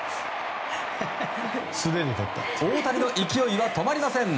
大谷の勢いは止まりません。